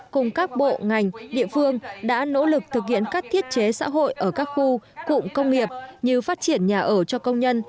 cùng các bộ ngành địa phương đã nỗ lực thực hiện các thiết chế xã hội ở các khu cụm công nghiệp như phát triển nhà ở cho công nhân